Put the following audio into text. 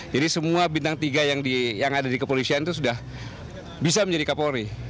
jadi semua bintang tiga yang ada di kepolisian itu sudah bisa menjadi kapolri